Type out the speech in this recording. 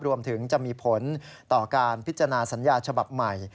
รวมถึงจะมีผลต่อการพิจารณาสัญญาฉบับใหม่